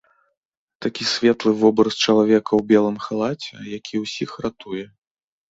Такі светлы вобраз чалавека ў белым халаце, які ўсіх ратуе.